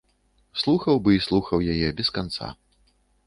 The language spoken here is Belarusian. Слухаў бы і слухаў яе без канца.